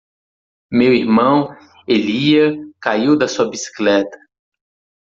Meu irmão Elijah caiu da sua bicicleta.